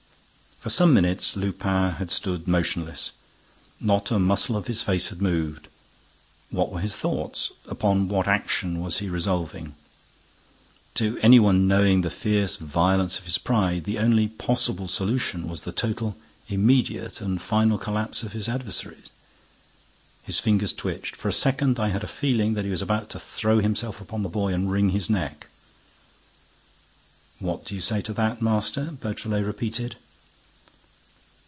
For some minutes, Lupin had stood motionless. Not a muscle of his face had moved. What were his thoughts? Upon what action was he resolving? To any one knowing the fierce violence of his pride the only possible solution was the total, immediate, final collapse of his adversary. His fingers twitched. For a second, I had a feeling that he was about to throw himself upon the boy and wring his neck. "What do you say to that, master?" Beautrelet repeated.